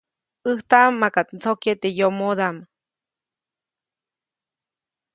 ‒ʼÄjtaʼm makaʼt ndsokyeʼ teʼ yomodaʼm-.